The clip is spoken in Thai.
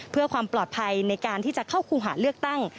เพื่อความปลอดภัยในการที่จะเข้าคู่หาเลือกตั้ง